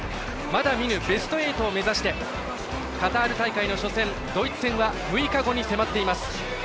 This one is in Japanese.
まだ見ぬベスト８を目指してカタール大会の初戦ドイツ戦は６日後に迫っています。